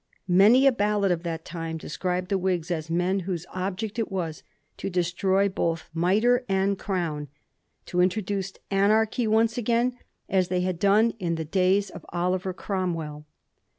Many a ballad of that time described the Whigs as men whose object it was to destroy both mitre and crown, to introduce anarchy once again, as. they had. done in the days of Oliver Cromwell.